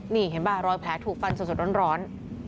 นี่เห็นป่ะรอยแผลถูกฟันสดร้อน